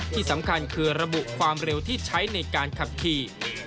ที่สำคัญคือระบุความเร็วที่ใช้ในการขับขี่